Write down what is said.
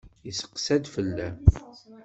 Yesseqsa-d fell-am.